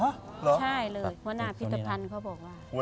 ใช่เลยหัวหน้าพิธภัณฑ์เขาบอกว่า